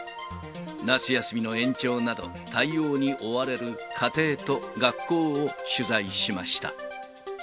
夏休みの延長など、対応に追われる家庭と学校を取材しました。